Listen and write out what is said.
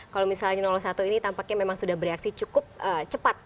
kalau misalnya satu ini tampaknya memang sudah bereaksi cukup cepat